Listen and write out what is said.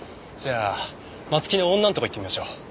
じゃあ松木の女のとこ行ってみましょう。